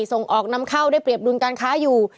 ส่งออกนำเข้าได้เปรียบดุลการค้าอยู่